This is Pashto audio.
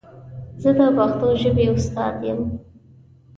زه د پښتو ژبې استاد یم.